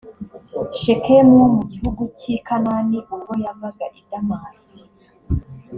shekemu wo mu gihugu cy i kanani ubwo yavaga i damasi